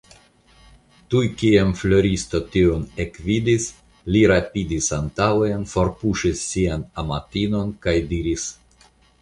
Tuj kiam Floriso tion ekvidis, li rapidis antaŭen, forpuŝis sian amatinon kaj diris.